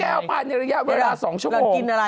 ๒๕แก้วในระยะเวลา๒ชั่วโมง